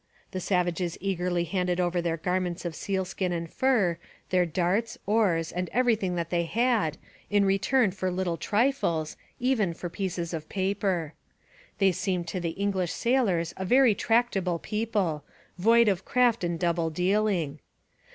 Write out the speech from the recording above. The savages eagerly handed over their garments of sealskin and fur, their darts, oars, and everything that they had, in return for little trifles, even for pieces of paper. They seemed to the English sailors a very tractable people, void of craft and double dealing.